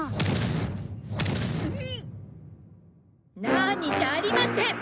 「なあに？」じゃありません！